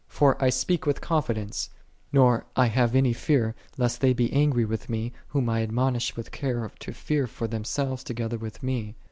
For I speak with confidence, nor have I any fear lest they be angry with me, whom I admonish with care to fear for themselves together with me.